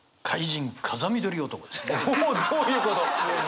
おおどういうこと？